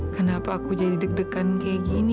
kenapa aku jadi deg degan kayak gini